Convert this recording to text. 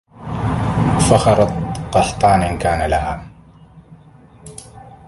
فخرت قحطان أن كان لها